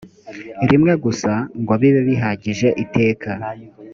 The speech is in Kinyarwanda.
rimwe gusa ngo bibe bihagije iteka